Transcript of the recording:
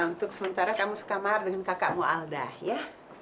untuk sementara kamu sekamar dengan kakakmu alda ya